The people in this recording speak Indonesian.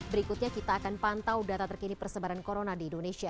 berikutnya kita akan pantau data terkini persebaran corona di indonesia